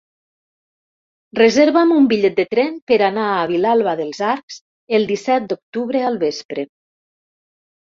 Reserva'm un bitllet de tren per anar a Vilalba dels Arcs el disset d'octubre al vespre.